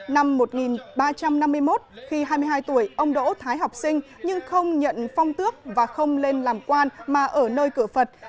năm một nghìn ba trăm năm mươi một khi hai mươi hai tuổi ông đỗ thái học sinh nhưng không nhận phong tước và không lên làm quan mà ở nơi cửa phật